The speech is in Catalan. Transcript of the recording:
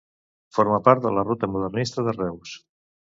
Forma part de la ruta modernista de Reus.